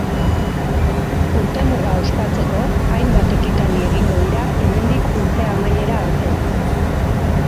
Urtemuga ospatzeko, hainbat ekitaldi egingo dira hemendik urte amaiera arte.